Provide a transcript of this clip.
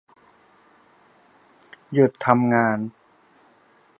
หยุดทำงาน